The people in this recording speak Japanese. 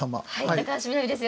高橋みなみです。